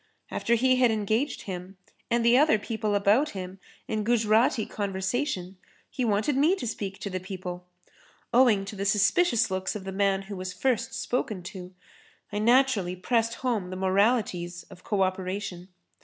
After he had engaged him and the other people about him in Gujrati conversation, he wanted me to speak to the people. Owing to the suspicious looks of the man who was first spoken to, I naturally pressed home the moralities of co operation.